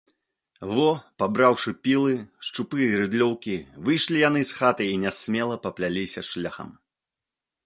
Во, пабраўшы пілы, шчупы і рыдлёўкі, выйшлі яны з хаты і нясмела папляліся шляхам.